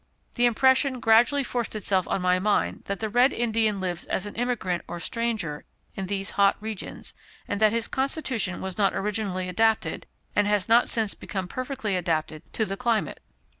The impression gradually forced itself on my mind that the Red Indian lives as an immigrant or stranger in these hot regions, and that his constitution was not originally adapted, and has not since become perfectly adapted, to the climate."